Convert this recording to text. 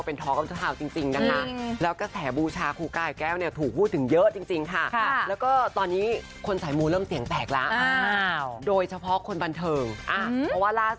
ก็บอกว่าตลอดอาทิตย์ที่ผ่านมา